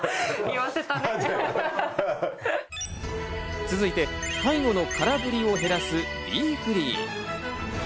続いて、介護の空振りを減らすＤＦｒｅｅ。